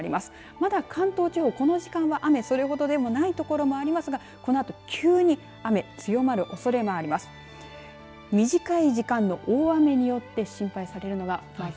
まだ、関東地方この時間は雨それほどでもない所もありますがこのあと急に雨強まるおそれもあります。